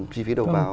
chi phí đầu vào